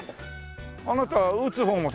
あなたは打つ方も打つ？